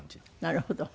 なるほど。